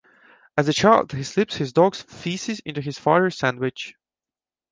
As a child, he slips his dog's feces into his father's sandwich.